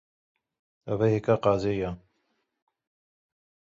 Ev hêka qazê ye.